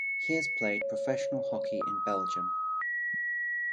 He has played professional hockey in Belgium.